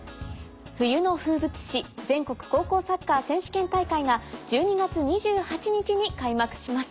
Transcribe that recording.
冬の風物詩全国高校サッカー選手権大会が１２月２８日に開幕します。